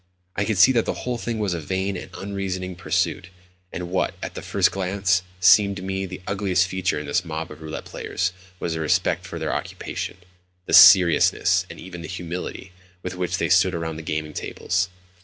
I could see that the whole thing was a vain and unreasoning pursuit; and what, at the first glance, seemed to me the ugliest feature in this mob of roulette players was their respect for their occupation—the seriousness, and even the humility, with which they stood around the gaming tables.